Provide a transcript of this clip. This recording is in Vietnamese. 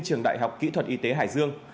trường đại học kỹ thuật y tế hải dương